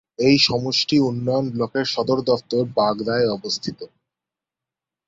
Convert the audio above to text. এই সমষ্টি উন্নয়ন ব্লকের সদর দফতর বাগদায় অবস্থিত।